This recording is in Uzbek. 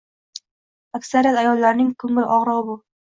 Aksariyat ayollarning ko`ngil og`rig`i bu